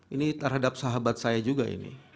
ini terhadap sahabat saya juga ini